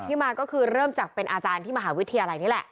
มาก็คือเริ่มจากเป็นอาจารย์ที่มหาวิทยาลัยนี่แหละ